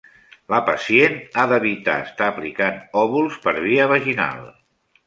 La pacient ha d'evitar estar aplicant òvuls per via vaginal.